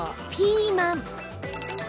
ピーマン。